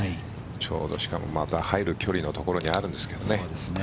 ちょうど、入る距離のところにあるんですけどね。